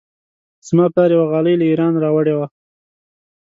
زما پلار یوه غالۍ له ایران راوړې وه.